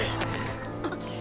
あっ！